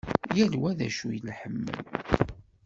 Yal wa d acu i iḥemmel.